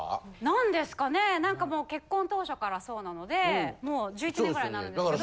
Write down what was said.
なんですかねなんかもう結婚当初からそうなのでもう１１年ぐらいになるんですけど。